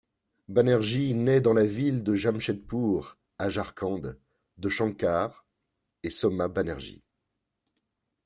Banerjee naît dans la ville de Jamshedpur à Jharkhand, de Shankar et Soma Banerjee.